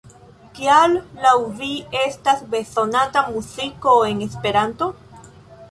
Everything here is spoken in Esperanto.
Kial laŭ vi estas bezonata muziko en Esperanto?